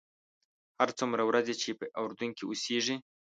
هر څومره ورځې چې په اردن کې اوسېږې.